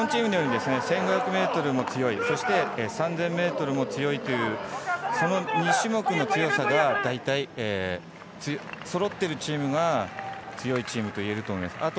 １５００ｍが強いそして、３０００ｍも強いというその２種目の強さが大体、そろっているチームが強いチームといえると思います。